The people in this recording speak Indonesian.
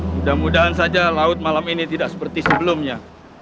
mudah mudahan saja laut malam ini tidak seperti sebelumnya